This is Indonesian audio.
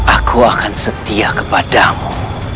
aku akan setia kepadamu